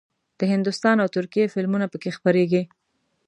د هندوستان او ترکیې فلمونه پکې خپرېږي.